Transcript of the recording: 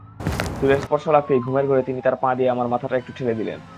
চুলের স্পর্শ লাগতেই ঘুমের ঘোরে তিনি তাঁর পা দিয়ে আমার মাথাটা একটু ঠেলে দিলেন।